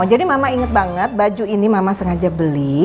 jadi mama inget banget baju ini mama sengaja beli